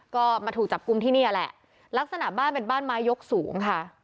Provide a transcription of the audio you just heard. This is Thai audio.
ก็มาถูกจับกลุ่มที่นี่แหละลักษณะบ้านเป็นบ้านไม้ยกสูงค่ะ